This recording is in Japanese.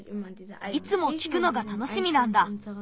いつもきくのがたのしみなんだ。